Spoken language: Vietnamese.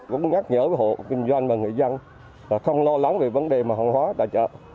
cũng nhắc nhở với hộ kinh doanh và người dân không lo lắng về vấn đề mà hàng hóa tại chợ